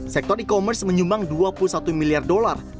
sektor e commerce menyumbang dua puluh satu miliar dolar